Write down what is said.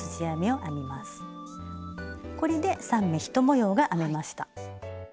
これで３目１模様が編めました。